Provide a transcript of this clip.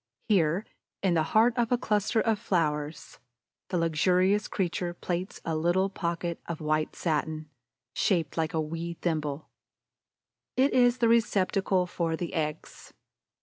Here, in the heart of a cluster of flowers, the luxurious creature plaits a little pocket of white satin, shaped like a wee thimble. It is the receptacle for the eggs.